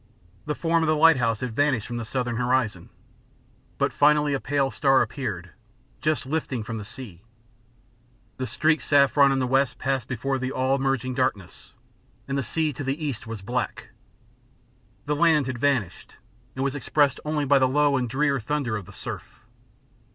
The form of the lighthouse had vanished from the southern horizon, but finally a pale star appeared, just lifting from the sea. The streaked saffron in the west passed before the all merging darkness, and the sea to the east was black. The land had vanished, and was expressed only by the low and drear thunder of the surf.